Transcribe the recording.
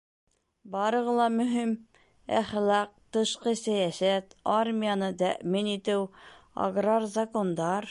Барығы ла мөһим: әхлаҡ, тышҡы сәйәсәт, армияны тәьмин итеү, аграр закондар.